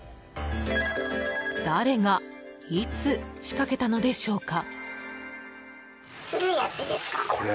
誰がいつ仕掛けたのでしょうか。